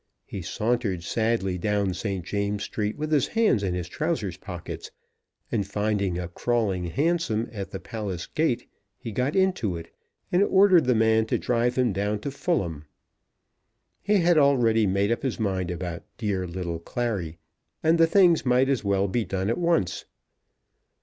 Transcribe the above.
He sauntered sadly down St. James's Street with his hands in his trousers pockets, and finding a crawling hansom at the palace gate, he got into it and ordered the man to drive him down to Fulham. He had already made up his mind about "dear little Clary," and the thing might as well be done at once.